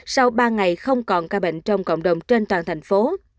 sau ba ngày không còn ca bệnh trong cộng đồng trên toàn thành phố